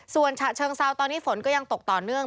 ส่วนฉะเชิงเซาตอนนี้ฝนก็ยังตกต่อเนื่อง